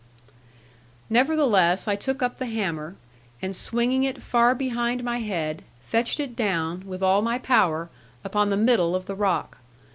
Nevertheless, I took up the hammer, and swinging it far behind my head, fetched it down, with all my power, upon the middle of the rock.